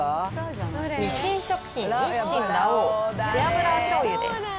日清食品、日清ラ王背脂醤油です。